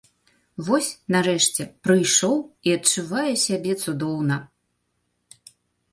Вось, нарэшце, прыйшоў, і адчуваю сябе цудоўна!